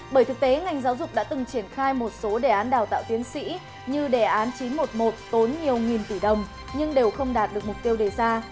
bởi thực tế ngành giáo dục đã từng triển khai một số đề án đào tạo tiến sĩ như đề án chín trăm một mươi một tốn nhiều nghìn tỷ đồng nhưng đều không đạt được mục tiêu đề ra